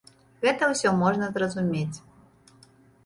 Гэта ўсё можна зразумець.